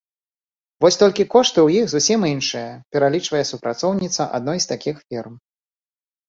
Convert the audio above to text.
Вось толькі кошты ў іх зусім іншыя, пералічвае супрацоўніца адной з такіх фірм.